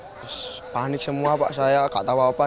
terus panik semua pak saya gak tahu apa apa